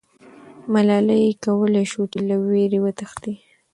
ملالۍ کولای سوای چې له ویرې وتښتي.